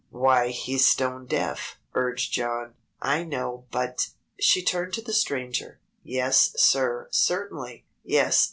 "Why, he's stone deaf," urged John. "I know, but " She turned to the Stranger. "Yes, sir, certainly. Yes!